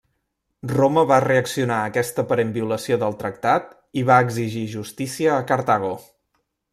Roma va reaccionar a aquesta aparent violació del tractat i va exigir justícia a Cartago.